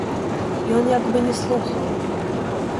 Ён як бы не слухаў.